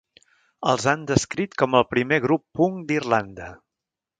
Els han descrit com el primer grup punk d'Irlanda.